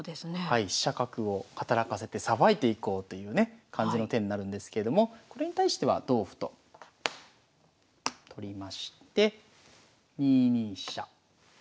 飛車角を働かせてさばいていこうというね感じの手になるんですけれどもこれに対しては同歩と取りまして２二飛車。